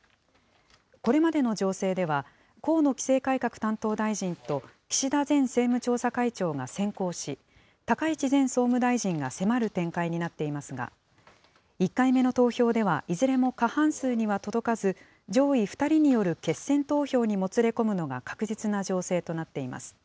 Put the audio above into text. これまでの情勢では、河野規制改革担当大臣と岸田前政務調査会長が先行し、高市前総務大臣が迫る展開になっていますが、１回目の投票ではいずれも過半数には届かず、上位２人による決選投票にもつれ込むのが確実な情勢となっています。